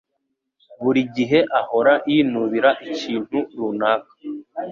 Buri gihe ahora yinubira ikintu runaka.